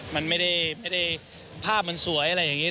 มันไม่ได้ภาพมันสวยอะไรอย่างนี้